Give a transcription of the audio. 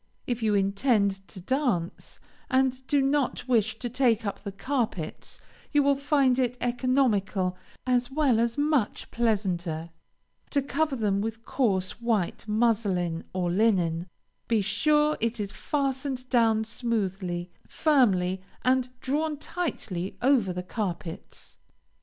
If you intend to dance, and do not wish to take up the carpets, you will find it economical, as well as much pleasanter, to cover them with coarse white muslin or linen; be sure it is fastened down smoothly, firmly, and drawn tightly over the carpets.